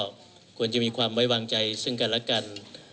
ก็ควรจะมีความไว้วางใจซึ่งกันและกัน